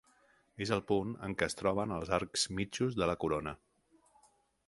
És el punt en què es troben els arcs mitjos de la Corona.